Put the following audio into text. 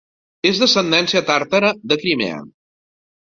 Es d'ascendència tàrtara de Crimea.